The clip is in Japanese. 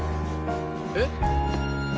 えっ？